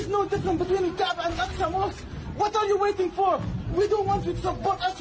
นี่ค่ะกูบุชม